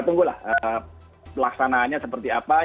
tunggulah laksananya seperti apa